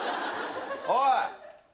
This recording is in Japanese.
おい。